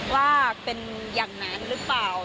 ว่าเป็นอย่างนั้นหรือเปล่า